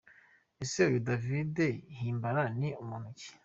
Ese uyu David Himbara ni muntu ki ?